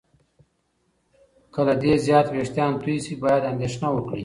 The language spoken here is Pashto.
که له دې زیات وېښتان تویې شي، باید اندېښنه وکړې.